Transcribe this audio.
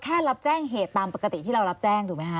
คือเราแค่รับแจ้งเหตุตามปกติที่เรารับแจ้งถูกไหมฮะ